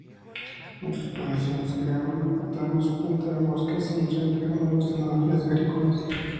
En sus posesiones crearon pantanos, plantaron bosques e introdujeron nuevas tecnologías agrícolas.